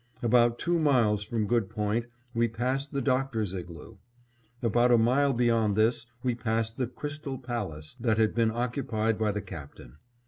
About two miles from Good Point, we passed the Doctor's igloo. About a mile beyond this, we passed the "Crystal Palace" that had been occupied by the Captain.